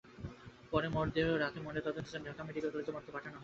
পরে মরদেহটি রাতে ময়নাতদন্তের জন্য ঢাকা মেডিকেল কলেজ মর্গে পাঠানো হয়।